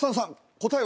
答えは？